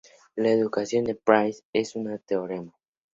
La ecuación de Price es un teorema.